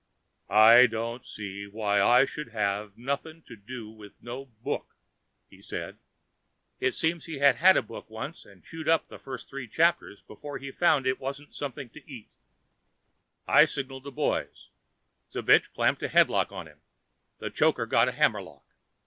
"I don't see why I should have nothing to do with no book," he said. It seems he had had a book once and chewed up the first three chapters before he found put it wasn't something to eat. I signaled to the boys. Zbich clamped a headlock on him. The Choker got a hammerlock.